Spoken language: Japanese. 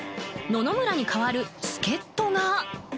野々村に代わる助っ人が。